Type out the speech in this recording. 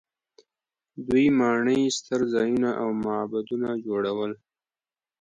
دوی ماڼۍ، ستر ځایونه او معبدونه جوړول.